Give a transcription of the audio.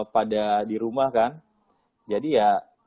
pada di rumah kan jadi ya